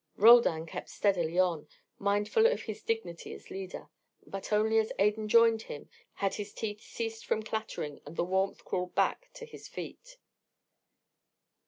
Roldan kept steadily on, mindful of his dignity as leader; but only as Adan joined him had his teeth ceased from clattering and the warmth crawled back to his feet.